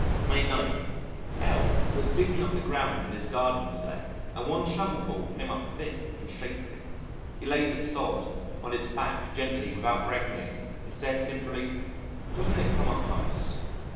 May 9. L was digging up the ground in his garden to day and one shovelful came up thick and shapely. He laid the sod on its back gently without breaking it and said simply, "Doesn't it come up nice?"